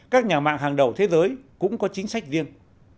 các nhà mạng hàng đầu thế giới cũng có chính sách riêng